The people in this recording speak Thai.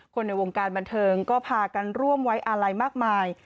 ในวงการบันเทิงก็พากันร่วมไว้อาลัยมากมาย